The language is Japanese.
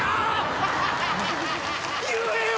言えよ！